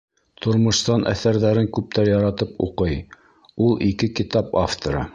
Тормошсан әҫәрҙәрен күптәр яратып уҡый, ул — ике китап авторы.